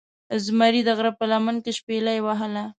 زمرې دغره په لمن کې شپیلۍ وهله